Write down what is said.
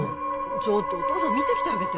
ちょっとお父さん見てきてあげて・